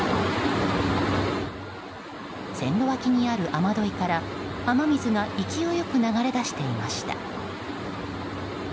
線路脇にある雨どいから雨水が勢いよく流れだしていました。